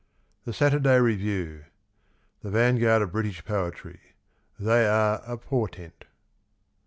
The Saturday Review. —" The vanguard of British poetry. They are a portent."